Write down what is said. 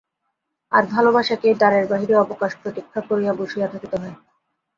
আর ভালোবাসাকেই দ্বারের বাহিরে অবকাশ প্রতীক্ষা করিয়া বসিয়া থাকিতে হয়।